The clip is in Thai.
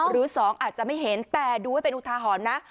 หรือสองอาจจะไม่เห็นแต่ดูไว้เป็นอุทาหรณ์นะ